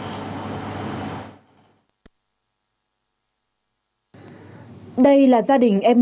tuy nhiên trong ngày chín tháng một mươi một hành khách được kiểm tra thân nhiệm